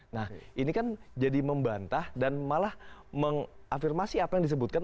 nah ini kan jadi membantah dan malah mengafirmasi apa yang disebutkan